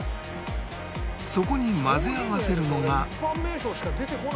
そこに混ぜ合わせるのが